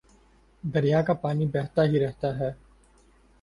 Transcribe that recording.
دریا کا پانی بہتا ہی رہتا ہے